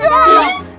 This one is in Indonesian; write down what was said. nggak bisa geramah